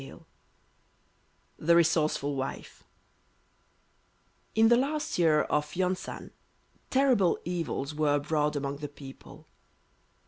XX THE RESOURCEFUL WIFE In the last year of Yon san terrible evils were abroad among the people.